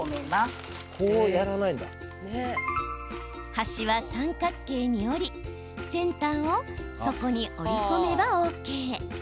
端は三角形に折り先端を底に折り込めばＯＫ。